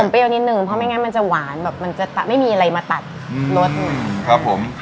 เปรี้ยวนิดนึงเพราะไม่งั้นมันจะหวานแบบมันจะตัดไม่มีอะไรมาตัดรสครับผม